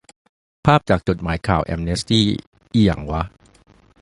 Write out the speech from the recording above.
ภาพจากจดหมายข่าวแอมเนสตี้ อิหยังวะ